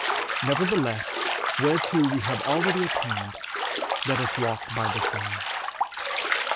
Nevertheless whereto we have already attained, let us walk by that same.'